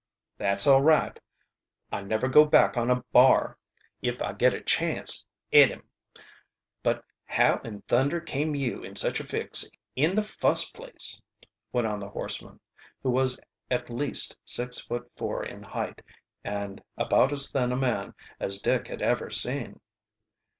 "That's all right I never go back on a bar if I git a chance at him. But how in thunder came you in such a fix in the fust place?" went on the horseman, who was at least six feet four in height and about as thin a man as Dick had ever seen.